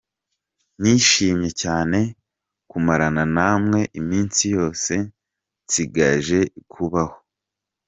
Nishimiye cyane kumarana nawe iminsi yose nsigaje kubaho !